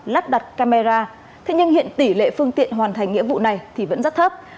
lắp đặt camera thế nhưng hiện tỷ lệ phương tiện hoàn thành nghĩa vụ này thì vẫn rất thấp